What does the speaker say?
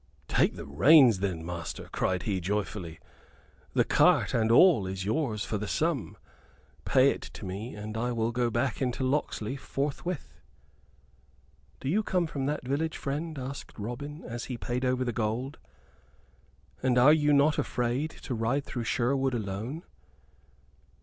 "Take the reins then, master," cried he, joyfully; "the cart and all is yours for the sum! Pay it to me, and I will go back into Locksley forthwith." "Do you come from that village, friend?" asked Robin, as he paid over the gold, "and are you not afraid to ride through Sherwood alone?"